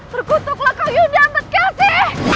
terkutuklah kang yunda amat kelsi